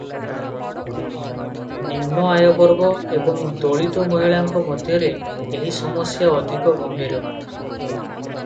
ନିମ୍ନ ଆୟବର୍ଗ ଏବଂ ଦଳିତ ମହିଳାଙ୍କ ମଧ୍ୟରେ ଏହି ସମସ୍ୟା ଅଧିକ ଗମ୍ଭୀର ।